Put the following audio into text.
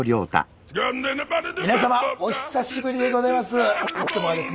皆様おひさしぶりでございます。